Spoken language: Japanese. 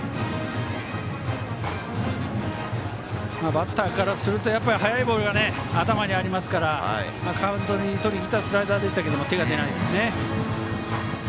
バッターからすると速いボールが頭にありますからカウントをとりにいったスライダーですけど手が出ないですね。